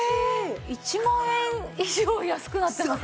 １万円以上安くなってません？